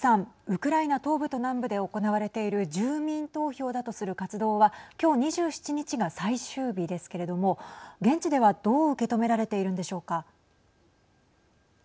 ウクライナ東部と南部で行われている住民投票だとする活動は今日２７日が最終日ですけれども現地ではどう受け止められているのでしょうか。